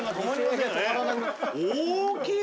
大きい！